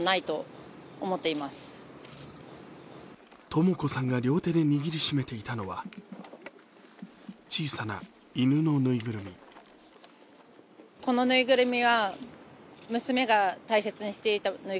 とも子さんが両手で握りしめていたのは、小さな犬のぬいぐるみ。